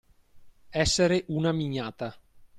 Essere una mignata.